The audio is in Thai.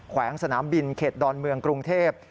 วงสนามบินเขตดอนเมืองกรุงเทพ